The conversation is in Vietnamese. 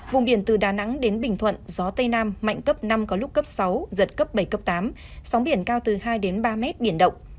vùng biển từ đà nẵng đến bình thuận gió tây nam mạnh cấp năm có lúc cấp sáu giật cấp bảy cấp tám sóng biển cao từ hai ba mét biển động